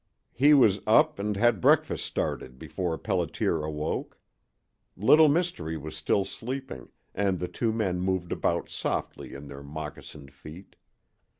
He was up and had breakfast started before Pelliter awoke. Little Mystery was still sleeping, and the two men moved about softly in their moccasined feet.